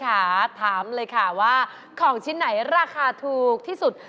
ถามเลยค่ะว่าของชิ้นไหนราคาถูกที่สุด